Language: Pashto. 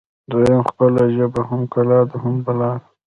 دویم: خپله ژبه هم کلا ده هم بلا